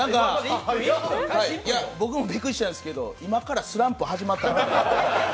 僕もびっくりしたんですけど、今からスランプ始まったなって。